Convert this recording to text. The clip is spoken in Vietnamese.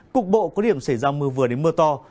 cục bộ có điểm xảy ra mưa vừa đến mưa to